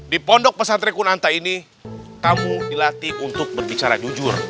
di pondok pesantren kunanta ini tamu dilatih untuk berbicara jujur